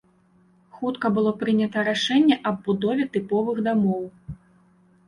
Хутка было прынята рашэнне аб будове тыповых дамоў.